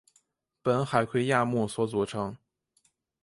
本海葵亚目所组成。